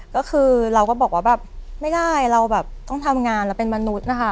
ก็คือเราก็บอกว่าแบบไม่ได้เราแบบต้องทำงานเราเป็นมนุษย์นะคะ